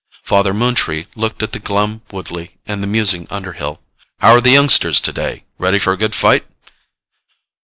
Father Moontree looked at the glum Woodley and the musing Underhill. "How're the youngsters today? Ready for a good fight?"